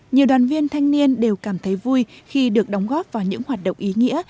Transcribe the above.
nhiều đoàn viên thanh niên đều cảm thấy vui khi được đóng góp vào những hoạt động ý nghĩa